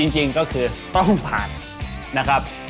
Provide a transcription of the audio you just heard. จริงก็คือต้องผ่านนะครับ